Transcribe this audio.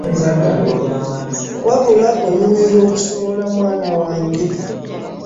Wabula onyumirwa okusowola mwana wange!